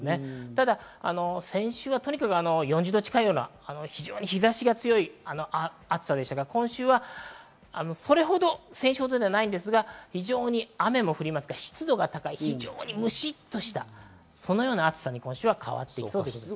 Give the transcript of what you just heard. ただ先週はとにかく４０度近いような、非常に日差しが強い暑さでしたが、先週ほどではないんですが、雨も降りますから、湿度が高い、非常にむしっとした暑さに今週は変わっていきそうです。